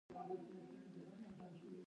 که په یوه سکه یو کیلو وریجې واخلو